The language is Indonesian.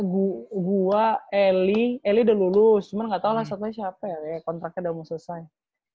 gua eli eli udah lulus cuman gatau lah siapa ya kontraknya udah mau selesai gitu